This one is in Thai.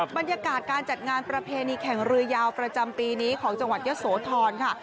บรรยากาศการจัดงานประเพณีแข่งเรือยาวประจำปีนี้ของจังหวัดเยอะโสธรค่ะ